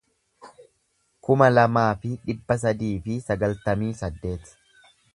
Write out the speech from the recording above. kuma lamaa fi dhibba sadii fi sagaltamii saddeet